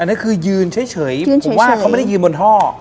อันนี้คือยืนเฉยผมว่าเขาไม่ได้ยืนบนท่อ